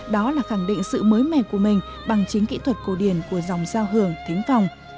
đó là khẳng định sự mới mẻ của mình bằng chính kỹ thuật cổ điển của dòng giao hưởng thính phòng